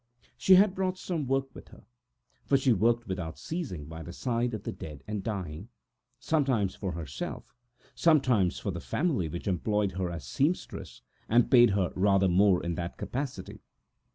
She had brought some work with her, for she worked without stopping by the side of the dead and dying, sometimes for herself, sometimes for the family, who employed her as seamstress also, paying her rather more in that capacity.